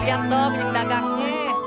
lihat tuh pindah gangnya